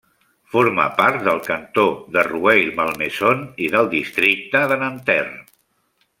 Forma part del cantó de Rueil-Malmaison i del districte de Nanterre.